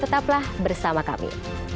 tetaplah bersama kami